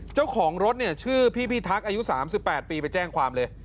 เจ้าของรถเนี่ยชื่อพี่พิทักษ์อายุ๓๘ปีไปแจ้งความเลย